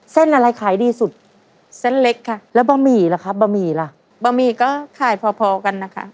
เส้นอะไรขายดีสุดเส้นเล็กค่ะแล้วบะหมี่ล่ะครับบะหมี่ล่ะบะหมี่ก็ขายพอพอกันนะคะ